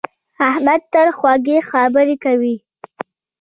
احمد تل خوږې خبرې کوي.